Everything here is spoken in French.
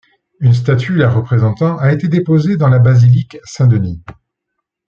Une statue la représentant a été déposée dans la Basilique Saint-Denis.